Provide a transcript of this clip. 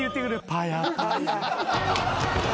「パヤパヤ」